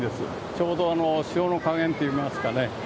ちょうど潮の加減といいますかね。